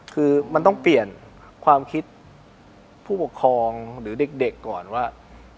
คือมันต้องเปลี่ยนความคิดผู้ปกครองหรือเด็กก่อนว่า